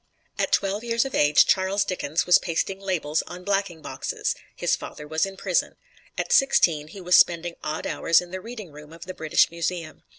At twelve years of age, Charles Dickens was pasting labels on blacking boxes; his father was in prison. At sixteen, he was spending odd hours in the reading room of the British Museum.